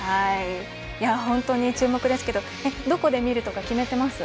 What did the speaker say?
本当に注目ですけどどこで見るとか決めてますか？